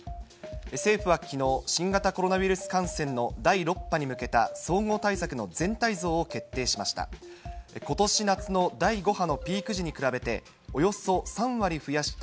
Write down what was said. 政府はきのう、新型コロナウイルス感染の第６波に向けた総合対策の全体像を決定しました。